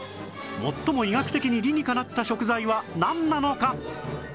最も医学的に理にかなった食材はなんなのか？